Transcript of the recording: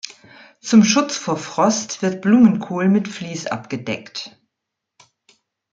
Zum Schutz vor Frost wird Blumenkohl mit Vlies abgedeckt.